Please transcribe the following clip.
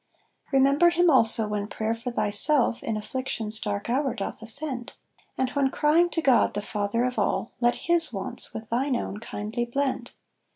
Remember him also when prayer for thyself, In affliction's dark hour doth ascend; And when crying to God the father of all, Let his wants with thine own kindly blend.